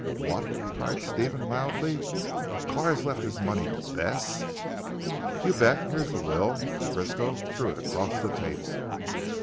"What," cried Stephen loudly, "Carr has left his money to Bess?" "You bet. Here's the will," and Frisco threw it across the table.